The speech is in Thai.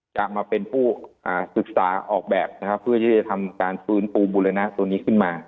จะมาเป็นผู้ศึกษาออกแบบนะครับเพื่อที่จะทำการฟื้นฟูบุรณะตัวนี้ขึ้นมา